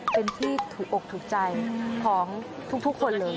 เป็นที่ถูกอกถูกใจของทุกคนเลย